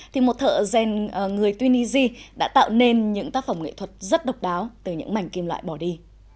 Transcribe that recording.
thì một thợ rèn người tunisia đã tạo nên những tác phẩm nghệ thuật rất độc đáo từ những mảnh kim loại bỏ đi